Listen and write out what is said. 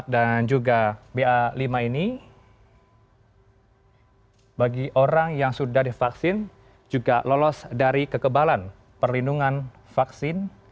dan juga ba lima ini bagi orang yang sudah divaksin juga lolos dari kekebalan perlindungan vaksin